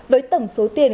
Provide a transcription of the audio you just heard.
với tổng số tiền